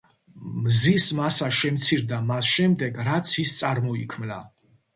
მზის მასა შემცირდა მას შემდეგ, რაც ის წარმოიქმნა.